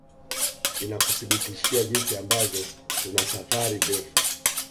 Inakuthibitishia jinsi ambavyo tuna safari ndefu